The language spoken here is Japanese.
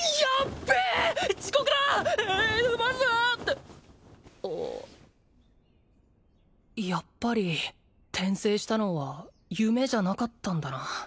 べえ遅刻だ！ってやっぱり転生したのは夢じゃなかったんだな